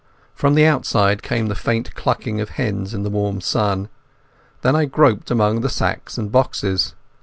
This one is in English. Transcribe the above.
From the outside came the faint clucking of hens in the warm sun. Then I groped among the sacks and boxes.